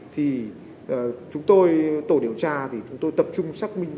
thì chúng tôi tổ điều tra thì chúng tôi tập trung xác minh